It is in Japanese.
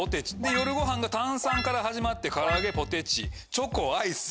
夜ごはんが炭酸から始まってからあげポテチチョコアイス。